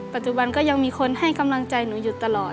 ปัจจุบันก็ยังมีคนให้กำลังใจหนูอยู่ตลอด